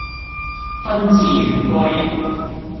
賓至如歸